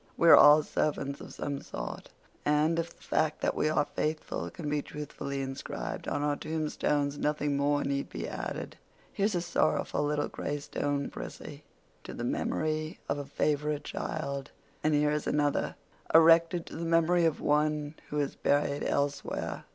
We are all servants of some sort, and if the fact that we are faithful can be truthfully inscribed on our tombstones nothing more need be added. Here's a sorrowful little gray stone, Prissy—'to the memory of a favorite child.' And here is another 'erected to the memory of one who is buried elsewhere.